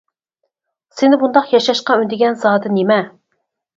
سېنى بۇنداق ياشاشقا ئۈندىگەن زادى نېمە؟ .